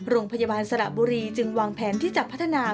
โรงพยาบาลสระบุรีจึงวางแผนที่จะพัฒนา